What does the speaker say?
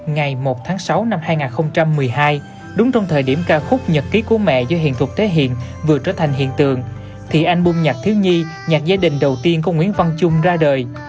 ngày một tháng sáu năm hai nghìn một mươi hai đúng trong thời điểm ca khúc nhật ký của mẹ do hiền thục thể hiện vừa trở thành hiện tượng thì anh bung nhạc thiếu nhi nhạc gia đình đầu tiên của nguyễn văn trung ra đời